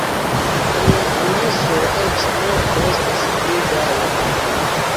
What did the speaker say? En amaso eĉ morto estas pli gaja.